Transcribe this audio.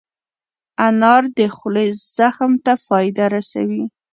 انار د خولې زخم ته فایده رسوي.